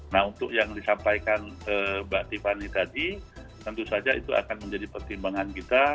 nah untuk yang disampaikan mbak tiffany tadi tentu saja itu akan menjadi pertimbangan kita